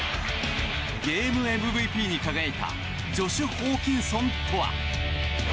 ゲームＭＶＰに輝いたジョシュ・ホーキンソンとは。